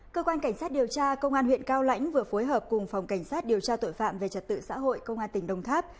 cơ quan cảnh sát điều tra công an huyện cao lãnh vừa phối hợp cùng phòng cảnh sát điều tra tội phạm về trật tự xã hội công an tỉnh đồng tháp